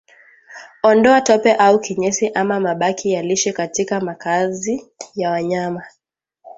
Ondoa tope au kinyesi ama mabaki ya lishe katika makazi ya wanyama